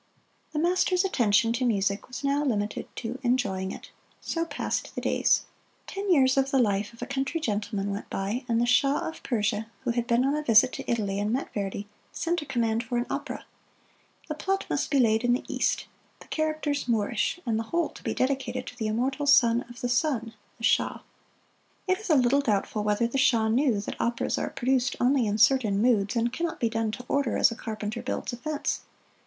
The master's attention to music was now limited to enjoying it. So passed the days. Ten years of the life of a country gentleman went by, and the Shah of Persia, who had been on a visit to Italy and met Verdi, sent a command for an opera. The plot must be laid in the East, the characters Moorish, and the whole to be dedicated to the immortal Son of the Sun the Shah. It is a little doubtful whether the Shah knew that operas are produced only in certain moods and can not be done to order as a carpenter builds a fence.